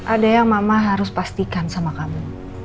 ada yang mama harus pastikan sama kamu